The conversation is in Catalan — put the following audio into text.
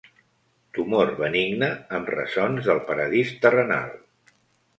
Tumor benigne amb ressons del paradís terrenal.